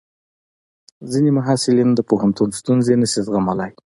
ځینې محصلین د پوهنتون ستونزې نشي زغملی.